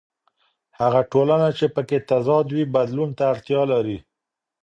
هغه ټولنه چې په کې تضاد وي بدلون ته اړتیا لري.